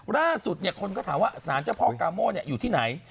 ล่าสุดคนก็ถามว่าสารเจ้าพ่อกาโม่อยู่ที่ไหน